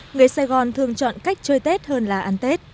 người sài gòn thường chọn cách chơi tết hơn là ăn tết